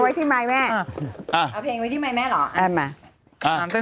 เอาเพลงเอาเพลงไว้ที่ไมค์แม่มาแต้วนะ